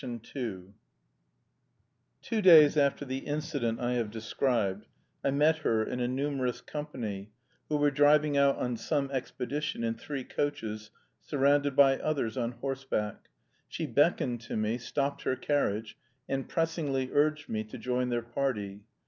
II Two days after the incident I have described I met her in a numerous company, who were driving out on some expedition in three coaches, surrounded by others on horseback. She beckoned to me, stopped her carriage, and pressingly urged me to join their party.